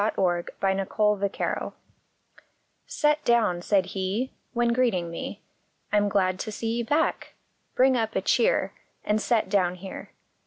[ 23 MY NEIGHBOR i 4 QET down," said he, O When greeting me. " I m glad to see ye back. Bring up a cheer, An set down here."